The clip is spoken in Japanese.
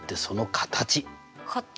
形。